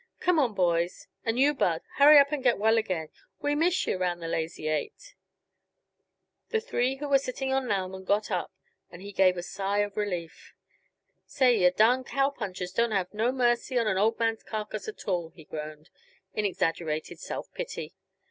Come on, boys. And you, Bud, hurry up and get well again; we miss yuh round the Lazy Eight." The three who were sitting on Lauman got up, and he gave a sigh of relief. "Say, yuh darned cowpunchers don't have no mercy on an old man's carcass at all," he groaned, in exaggerated self pity.